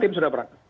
tim sudah berangkat